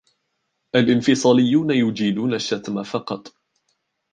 الإنفصاليون يجيدون الشتم فقط.